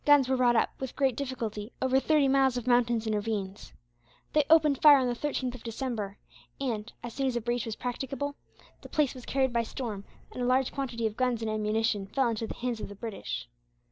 Guns were brought up, with great difficulty, over thirty miles of mountains and ravines. They opened fire on the 13th of December and, as soon as a breach was practicable, the place was carried by storm, and a large quantity of guns and ammunition fell into the hands of the British.